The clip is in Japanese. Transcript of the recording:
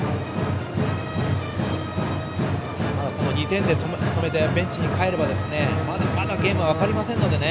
２点で止めてベンチに帰ればまだまだゲームは分からないので。